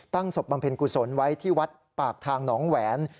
ศพบำเพ็ญกุศลไว้ที่วัดปากทางหนองแหวน